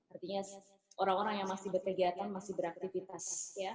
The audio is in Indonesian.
artinya orang orang yang masih berkegiatan masih beraktivitas